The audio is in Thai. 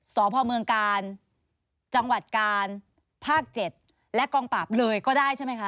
สพเมืองกาลจังหวัดกาลภาค๗และกองปราบเลยก็ได้ใช่ไหมคะ